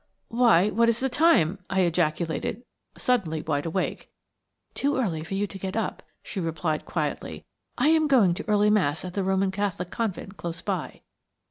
"Why, what is the time?" I ejaculated, suddenly wide awake. "Too early for you to get up," she replied quietly. "I am going to early Mass at the Roman Catholic convent close by."